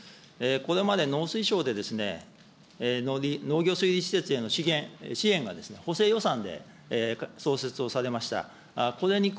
これまで農水省でですね、農業施設への支援が補正予算でそうせつをされました。